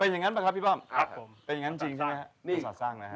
เป็นอย่างนั้นปะครับพี่ป้อมเป็นอย่างนั้นจริงใช่ไหมครับกษัตริย์สร้างนะครับ